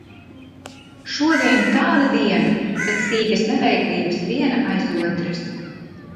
Šodien tāda diena, kad sīkas neveiklības viena aiz otras.